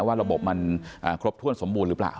ว่าระบบมันครบถ้วนสมบูรณ์หรือเปล่า